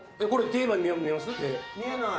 見えない。